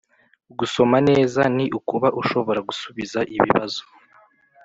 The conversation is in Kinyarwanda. Gusoma neza ni ukuba ushobora gusubiza ibibazo